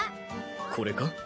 これか？